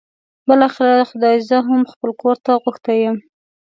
بالاخره خدای زه هم خپل کور ته غوښتی یم.